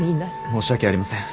申し訳ありません。